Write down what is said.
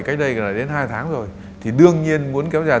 cách đây là đến hai tháng rồi thì đương nhiên muốn kéo dài